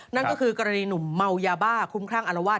นั่นก็คือกรณีหนุ่มเมายาบ้าคุ้มคลั่งอารวาส